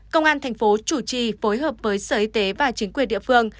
công an thành phố chủ trì phối hợp với sở y tế và chính quyền địa phương